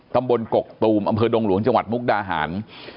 กกตูมอำเภอดงหลวงจังหวัดมุกดาหาร